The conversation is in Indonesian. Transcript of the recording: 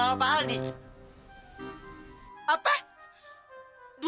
hongkak pria pria diantara attachments